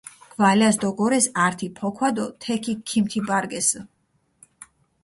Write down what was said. გვალას დოგორეს ართი ფოქვა დო თექი ქიმთიბარგესჷ.